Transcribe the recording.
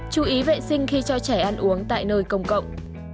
chú ý vệ sinh khi cho trẻ ăn uống tại nơi công cộng